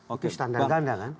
itu standar ganda kan